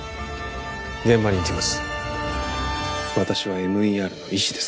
現場に行きます